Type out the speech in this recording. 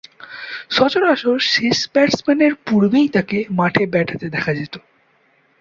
সচরাচর শেষ ব্যাটসম্যানের পূর্বেই তাকে মাঠে ব্যাট হাতে দেখা যেতো।